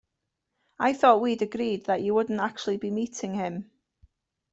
I thought we'd agreed that you wouldn't actually be meeting him?